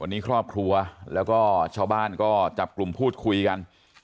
วันนี้ครอบครัวแล้วก็ชาวบ้านก็จับกลุ่มพูดคุยกัน